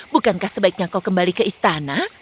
bukankah sebaiknya kau kembali ke istana